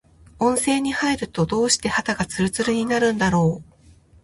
温泉に入ると、どうして肌がつるつるになるんだろう。